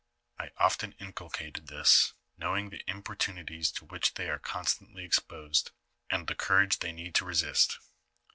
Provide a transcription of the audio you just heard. I often inculcated this, knowing the importunities to which they are constantly exposed, and the courage they need to resist.